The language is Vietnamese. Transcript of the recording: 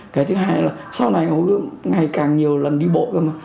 cái thứ hai là sau này hồ gươm ngày càng nhiều lần đi bộ cơ mà